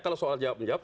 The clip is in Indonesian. kalau soal jawab menjawab